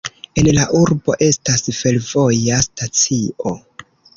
En la urbo estas fervoja stacio.